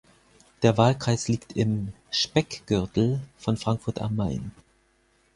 Der Wahlkreis liegt im „Speckgürtel“ von Frankfurt am Main.